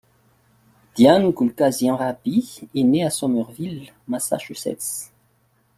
Dianne Goolkasian Rahbee est née à Somerville, Massachusetts.